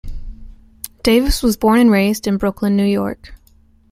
Davis was born and raised in Brooklyn, New York.